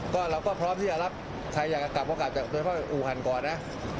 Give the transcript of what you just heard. ก็เราก็พร้อมที่จะรับใครอยากจะกลับก็กลับแต่เฉพาะอุหันก่อนนะ